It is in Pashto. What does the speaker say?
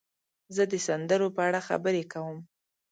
زه د سندرو په اړه خبرې کوم.